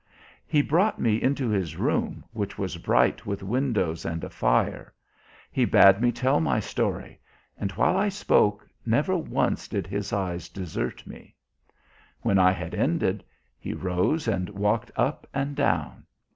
"He brought me into his room, which was bright with windows and a fire. He bade me tell my story, and while I spoke never once did his eyes desert me. When I had ended he rose and walked up and down.